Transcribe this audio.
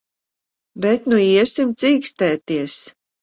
Bet nu iesim cīkstēties.